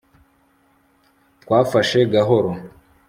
twafashe gahoro